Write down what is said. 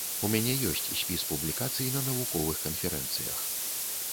У мяне ёсць спіс публікацый на навуковых канферэнцыях.